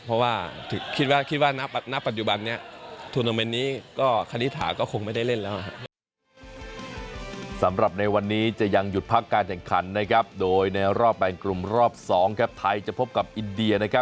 เพราะว่าคิดว่าคิดว่าณปัจจุบันนี้